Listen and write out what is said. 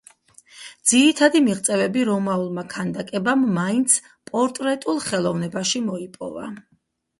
ძირითადი მიღწევები რომაულმა ქანდაკებამ მაინც პორტრეტულ ხელოვნებაში მოიპოვა.